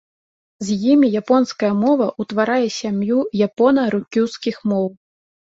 З імі японская мова ўтварае сям'ю япона-рукюскіх моў.